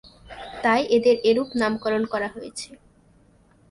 তাই এদের এরূপ নামকরণ করা হয়েছে।